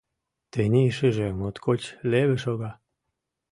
Тений шыже моткоч леве шога.